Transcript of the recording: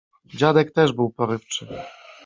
Dziadek też był porywczy.